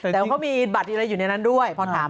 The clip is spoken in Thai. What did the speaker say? แต่มีบัตรอะไรอยู่อย่างนั้น